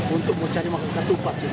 untuk mencari makanan ketupat